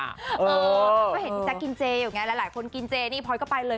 ก็เห็นพี่แจ๊คกินเจอยู่ไงหลายคนกินเจนี่พลอยก็ไปเลย